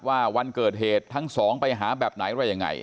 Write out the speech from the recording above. วันเกิดเหตุทั้งสองไปหาแบบไหนว่ายังไง